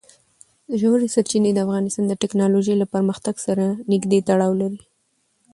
ژورې سرچینې د افغانستان د تکنالوژۍ له پرمختګ سره نږدې تړاو لري.